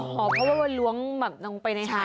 อ๋อเพราะว่าล้วงไปในหาย